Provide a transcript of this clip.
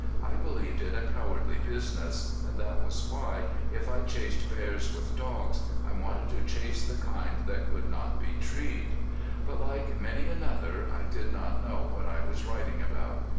I believed it a cowardly business, and that was why, if I chased bears with dogs, I wanted to chase the kind that could not be treed. But like many another I did not know what I was writing about.